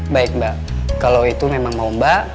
baik mbak kalau itu memang mau mbak